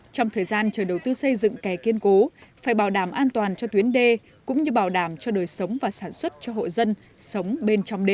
trong thời gian chờ đầu tư xây dựng kè kiên cố phải bảo đảm an toàn cho tuyến đê cũng như bảo đảm cho đời sống và sản xuất cho hộ dân sống bên trong đê